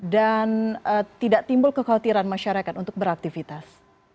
dan tidak timbul kekhawatiran masyarakat untuk beraktivitas